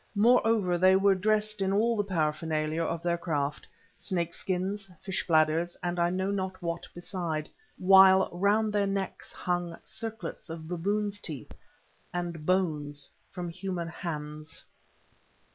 Moreover they were dressed in all the paraphernalia of their craft, snakeskins, fish bladders, and I know not what beside, while round their necks hung circlets of baboons' teeth and bones from human hands.